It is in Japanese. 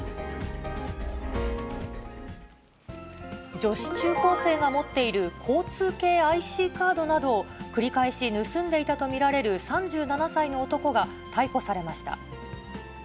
女子中高生が持っている交通系ＩＣカードなどを繰り返し盗んでいたと見られる３７歳の男が逮捕されました。